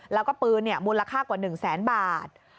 แล้วก็ปืนมูลค่ากว่า๑แสนบาท